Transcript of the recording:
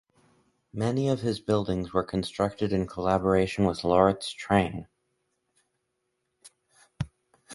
Many of his buildings were constructed in collaboration with Lauritz Trane.